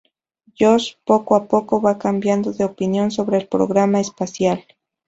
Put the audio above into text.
Josh, poco a poco, va cambiando de opinión sobre el programa espacial.